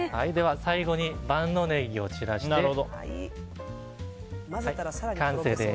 最後に万能ネギを散らして完成です。